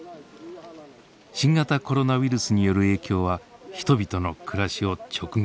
新型コロナウイルスによる影響は人々の暮らしを直撃。